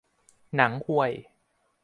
หนังห่วย